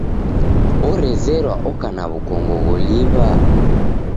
Orezerwa oka na w'ukongo gholiw'a?